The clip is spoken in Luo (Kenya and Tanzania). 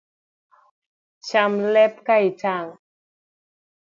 Cham lep ka itang’